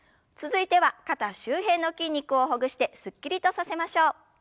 続いては肩周辺の筋肉をほぐしてすっきりとさせましょう。